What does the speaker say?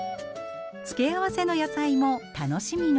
付け合わせの野菜も楽しみの一つ。